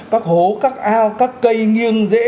các hố các ao các cây nghiêng dễ